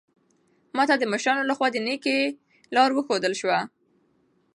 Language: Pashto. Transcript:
ما ته د مشرانو لخوا د نېکۍ لار وښودل شوه.